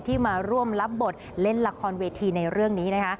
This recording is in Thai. มาร่วมรับบทเล่นละครเวทีในเรื่องนี้นะคะ